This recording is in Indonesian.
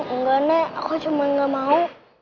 enggak nek aku cuma gak mau